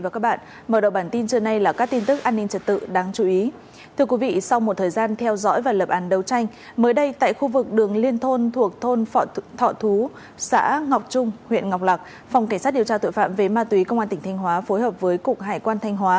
các bạn hãy đăng ký kênh để ủng hộ kênh của chúng mình nhé